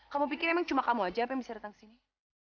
kamu pikir emang cuma kamu aja apa yang bisa datang ke sini